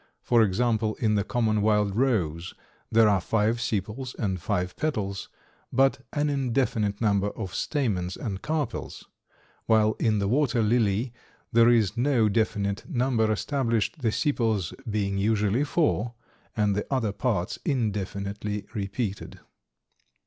For example, in the common wild rose there are 5 sepals and 5 petals, but an indefinite number of stamens and carpels; while in the water lily there is no definite number established, the sepals being usually 4, and the other parts indefinitely repeated.